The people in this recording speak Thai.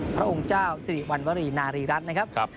พระองค์เจ้าสิริวัณวรีนารีรัฐนะครับ